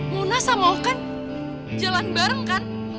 mona sama okan jalan bareng gak